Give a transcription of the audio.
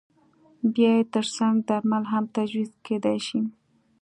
بیا یې ترڅنګ درمل هم تجویز کېدای شي.